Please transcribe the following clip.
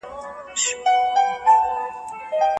هیڅ کړاو یې ملا ماته نه کړه